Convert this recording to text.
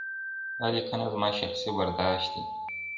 دا لیکنه زما شخصي برداشت دی.